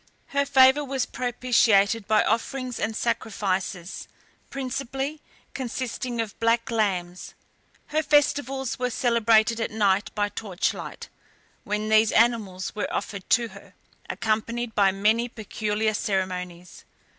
Her favour was propitiated by offerings and sacrifices, principally consisting of black lambs. Her festivals were celebrated at night, by torchlight, when these animals were offered to her, accompanied by many peculiar ceremonies.